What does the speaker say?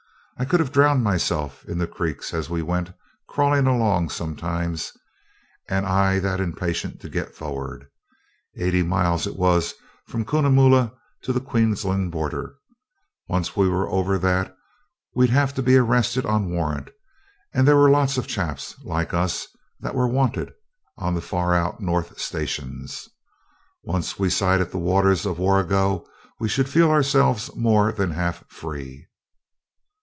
I could have drowned myself in the creeks as we went crawling along sometimes, and I that impatient to get forward. Eighty miles it was from Cunnamulla to the Queensland border. Once we were over that we'd have to be arrested on warrant, and there were lots of chaps, like us, that were 'wanted', on the far out north stations. Once we sighted the waters of the Warrego we should feel ourselves more than half free.